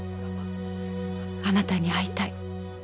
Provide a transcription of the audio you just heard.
「あなたに会いたい」